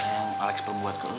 yang alex perbuat ke lo